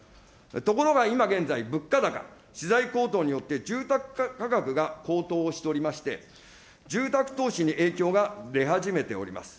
ところが、今現在、物価高、資材高騰によって、住宅価格が高騰をしておりまして、住宅投資に影響が出始めております。